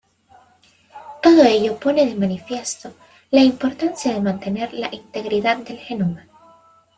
Todo ello pone de manifiesto la importancia de mantener la integridad del genoma.